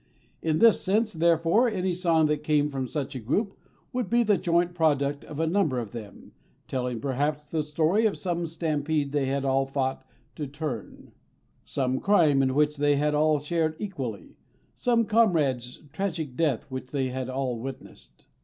In this sense, therefore, any song that came from such a group would be the joint product of a number of them, telling perhaps the story of some stampede they had all fought to turn, some crime in which they had all shared equally, some comrade's tragic death which they had all witnessed.